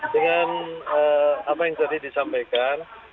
dengan apa yang tadi disampaikan